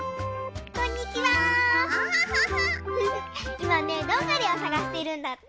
いまねどんぐりをさがしてるんだって。